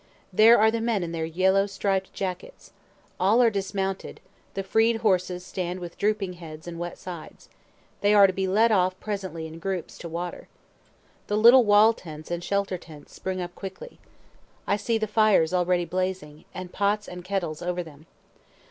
There are the men in their yellow striped jackets. All are dismounted; the freed horses stand with drooping heads and wet sides; they are to be led off presently in groups, to water. The little wall tents and shelter tents spring up quickly. I see the fires already blazing, and pots and kettles over them.